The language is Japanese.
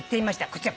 こちら。